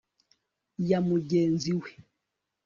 ya mugenzi we